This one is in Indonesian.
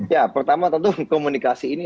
ya pertama tentu komunikasi ini